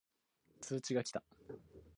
通知が来た